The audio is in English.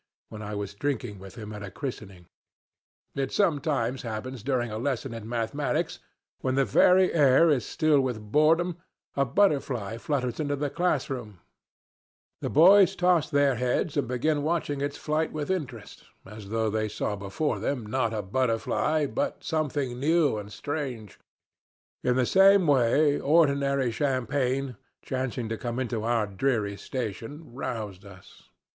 when I was drinking with him at a christening. It sometimes happens during a lesson in mathematics, when the very air is still with boredom, a butterfly flutters into the class room; the boys toss their heads and begin watching its flight with interest, as though they saw before them not a butterfly but something new and strange; in the same way ordinary champagne, chancing to come into our dreary station, roused us.